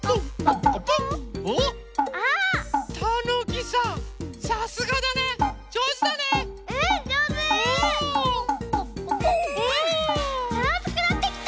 あつくなってきた！